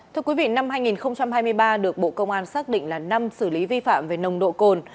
thưa quý vị năm hai nghìn hai mươi ba được bộ công an xác định là năm xử lý vi phạm về nồng độ cồn